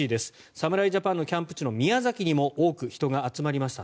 侍ジャパンのキャンプ地の宮崎にも多く人が集まりました。